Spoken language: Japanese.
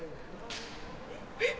・えっ！